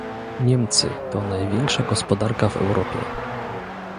Niemcy to największa gospodarka w Europie